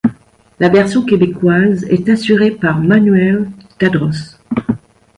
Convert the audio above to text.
La version québécoise est assurée par Manuel Tadros.